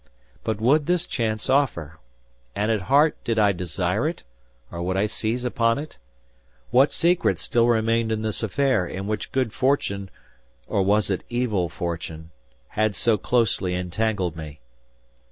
But would this chance offer? And at heart, did I desire it, or would I seize upon it? What secrets still remained in this affair in which good fortune or was it evil fortune—had so closely entangled me!